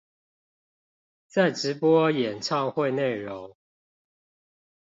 在直播演唱會內容